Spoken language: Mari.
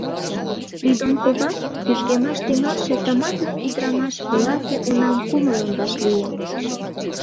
Придон кува, кӱжгемаш тӱҥалше тыматле ӱдырамаш, оласе унам кумылын вашлие.